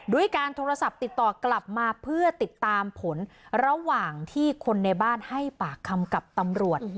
ด้วยการโทรศัพท์ติดต่อกลับมาเพื่อติดตามผลระหว่างที่คนในบ้านให้ปากคำกับตำรวจ